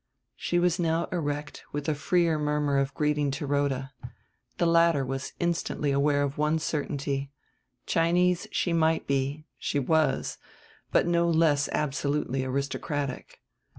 She was now erect with a freer murmur of greeting to Rhoda. The latter was instantly aware of one certainty Chinese she might be, she was, but no less absolutely aristocratic.